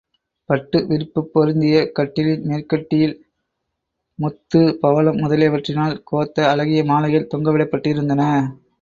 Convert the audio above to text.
பட்டு விரிப்புப் பொருந்திய கட்டிலின் மேற்கட்டியில் முத்து, பவழம் முதலியவற்றினால் கோத்த அழகிய மாலைகள் தொங்கவிடப்பட்டிருந்தன.